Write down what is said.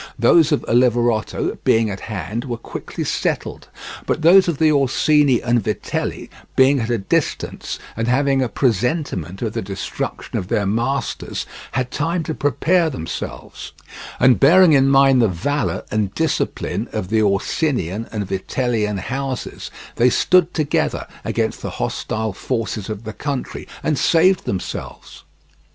Those of Oliverotto, being at hand, were quickly settled, but those of the Orsini and Vitelli, being at a distance, and having a presentiment of the destruction of their masters, had time to prepare themselves, and bearing in mind the valour and discipline of the Orsinian and Vitellian houses, they stood together against the hostile forces of the country and saved themselves.